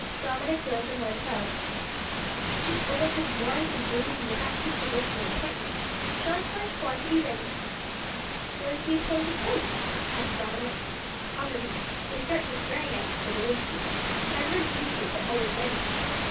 Dominick rose and went out. "I've just overheard Morris and Jabez in the back kitchen making an appointment. Shall I tell our squad to be ready?" "Where is the appointed place?" asked Dominick. "On the reef. They start this very night, for the wind suits, and I heard Hugh say that all was ready."